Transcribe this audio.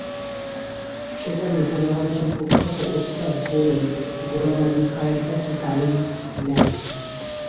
সেখানে উপমহাদেশের প্রখ্যাত ওস্তাদ বড়ে গোলাম আলী খাঁ’র কাছে তালিম নেন।